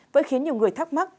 với khiến nhiều người thắc mắc